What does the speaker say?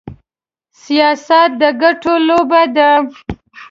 سياست د ګټو لوبه ده.